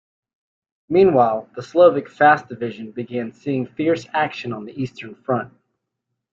Meanwhile, the Slovak Fast Division began seeing fierce action on the Eastern Front.